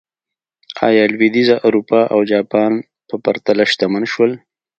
ایا لوېدیځه اروپا او جاپان په پرتله شتمن شول.